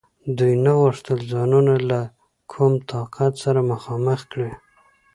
دوی نه غوښتل ځانونه له کوم طاقت سره مخامخ کړي.